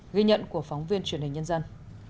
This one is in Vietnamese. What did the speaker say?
ghi nhận của phóng viên truyền hình nhân dân